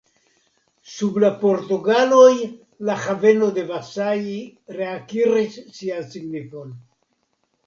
Sub la portugaloj la haveno de Vasai reakiris sian signifon.